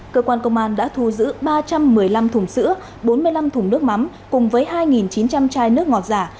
cơ quan công an đã thu giữ ba trăm một mươi năm thùng sữa bốn mươi năm thùng nước mắm cùng với hai chín trăm linh chai nước ngọt giả